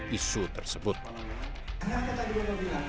kepala pembangunan pemerintah pak jokowi mengatakan